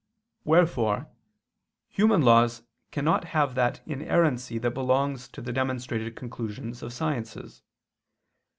Wherefore human laws cannot have that inerrancy that belongs to the demonstrated conclusions of sciences.